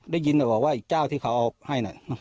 ได้ยินบอกว่าอีกเจ้าที่เขาเอาให้น่ะ